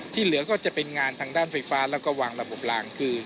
เหลือก็จะเป็นงานทางด้านไฟฟ้าแล้วก็วางระบบลางคือ